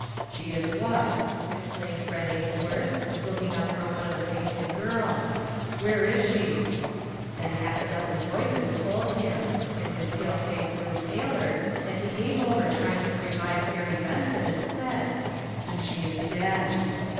" She is what? " exclaimed Fred Ainsworth, looking up from one of the fainted girls. "Where is she?" Then half a dozen voices told him; and his pale face grew paler, and he gave over trying to revive Carrie Benson, and said :" Then she is dead!"